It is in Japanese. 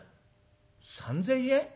「３，０００円？